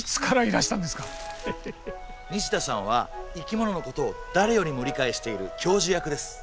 西田さんは生き物のことを誰よりも理解している教授役です